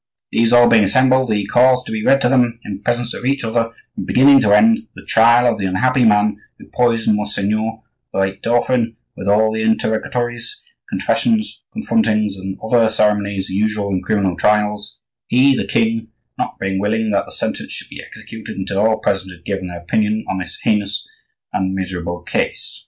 These all being assembled, he caused to be read to them, in presence of each other, from beginning to end, the trial of the unhappy man who poisoned Monseigneur the late dauphin,—with all the interrogatories, confessions, confrontings, and other ceremonies usual in criminal trials; he, the king, not being willing that the sentence should be executed until all present had given their opinion on this heinous and miserable case."